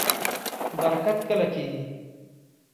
برکت کله کیږي؟